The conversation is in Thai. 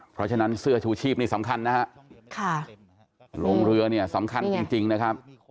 เพราะฉะนั้นเสื้อชูชีพนี่สำคัญนะฮะลงเรือเนี่ยสำคัญจริงนะครับ